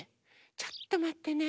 ちょっとまってね。